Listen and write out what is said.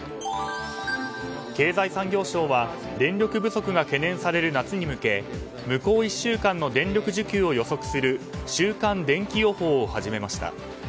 経済産業省は電力不足が懸念される夏に向け向こう１週間の電力需給を予測する週間でんき予報を始めました。